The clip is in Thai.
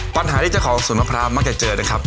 ปัญหาที่เจ้าของสวนมะพร้าวมักจะเจอนะครับ